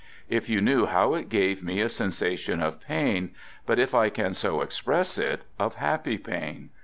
If you knew how it gave me a sensation of pain, but, if I can so express it, of happy pain.